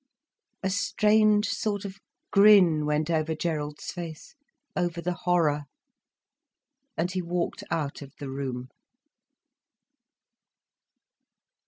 A strange sort of grin went over Gerald's face, over the horror. And he walked out of the room.